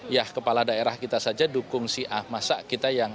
ya kepala daerah kita saja dukung si ahmasa kita yang ada